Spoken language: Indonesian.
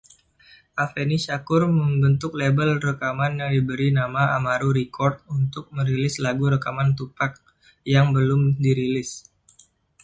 Afeni Shakur membentuk label rekaman yang diberi nama Amaru Records untuk merilis lagu rekaman Tupac yang belum dirilis.